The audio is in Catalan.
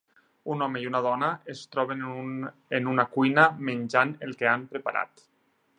Un home i una dona es troben en una cuina menjant el que han preparat.